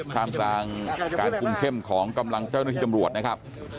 ท่ามกลางการคุมเข้มของกำลังเจ้าหน้าที่ตำรวจนะครับ